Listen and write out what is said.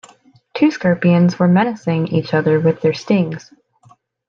Two scorpions were menacing each other with their stings.